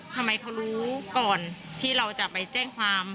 ทำไมเขารู้ก่อนที่เราจะไปแจ้งความ